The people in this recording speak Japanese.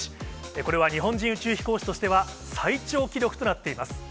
これは日本人宇宙飛行士としては最長記録となっています。